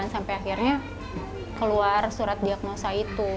sampai akhirnya keluar surat diagnosa itu